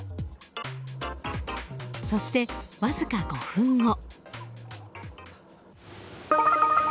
そして、わずか５分後。